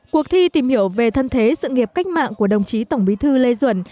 cuộc thi tìm hiểu về thân thế sự nghiệp cách mạng của đồng chí tổng bí thư lê duẩn